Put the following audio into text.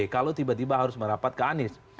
kalau tiba tiba harus merapat ke anies